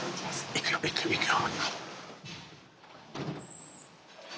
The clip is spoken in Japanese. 行くよ行くよ行くよ。